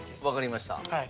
わかりました。